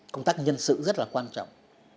công tác nhân sự rất là quan trọng